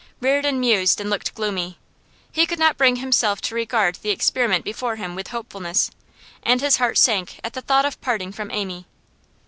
Reardon mused and looked gloomy. He could not bring himself to regard the experiment before him with hopefulness, and his heart sank at the thought of parting from Amy.